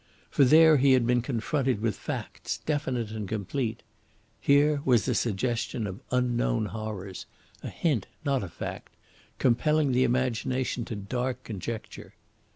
For there he had been confronted with facts, definite and complete; here was a suggestion of unknown horrors, a hint, not a fact, compelling the imagination to dark conjecture.